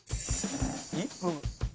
１分。